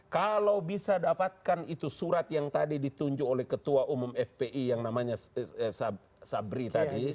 kalau bisa dapatkan itu surat yang tadi ditunjuk oleh ketua umum fpi yang namanya sabri tadi